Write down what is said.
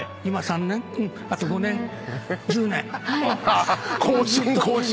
あっ更新更新。